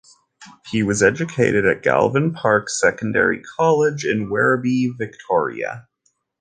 He was educated at Galvin Park Secondary College in Werribee, Victoria.